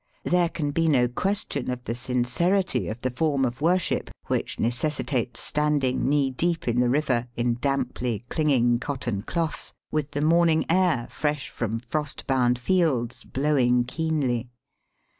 There can be no question of the sincerity of the form of worship which neces* sitates standing knee deep in the river in damply clinging cotton cloths, with the morn ing air, fresh from frost bound fields, blowing keenly.